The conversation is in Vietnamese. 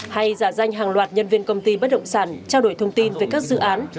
hay giả danh hàng loạt nhân viên công ty bất động sản trao đổi thông tin về các dự án